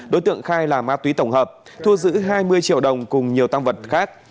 đối tượng khai là ma túy tổng hợp thu giữ hai mươi triệu đồng cùng nhiều tăng vật khác